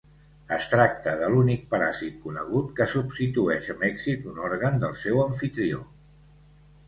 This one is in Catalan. Es tracta de l'únic paràsit conegut que substitueix amb èxit un òrgan del seu amfitrió.